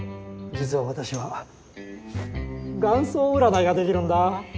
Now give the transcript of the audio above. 実は私は顔相占いができるんだ。